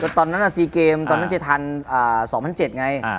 ก็ตอนนั้นน่ะซีเกมตอนนั้นเจทันอ่าสองพันเจ็ดไงอ่า